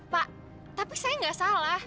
pak tapi saya nggak salah